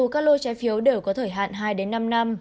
dù các lô trái phiếu đều có thời hạn hai năm năm